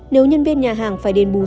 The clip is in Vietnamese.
nếu nhân viên nhà hàng phải đền bù